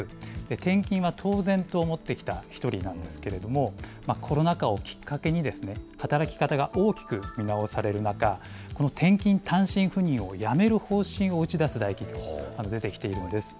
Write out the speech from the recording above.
転勤は当然と思ってきた１人なんですけれども、コロナ禍をきっかけに、働き方が大きく見直される中、この転勤・単身赴任をやめる方針を打ち出す大企業が出てきているんです。